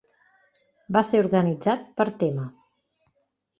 Va ser organitzat per tema.